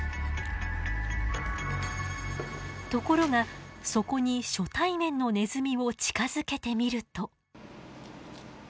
ところがそこに初対面のネズミを近づけてみると。